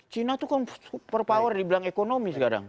cina tuh kan super power dibilang ekonomi sekarang